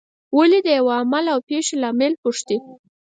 ولې د یوه عمل او پېښې لامل پوښتي.